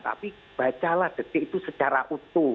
tapi bacalah detik itu secara utuh